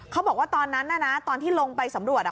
เขาบอกว่าตอนนั้นตอนที่ลงไปสำรวจ